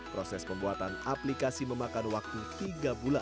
proses pembuatan aplikasi memakan waktu tiga bulan